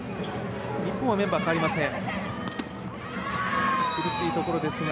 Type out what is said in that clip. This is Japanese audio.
日本はメンバー替わりません。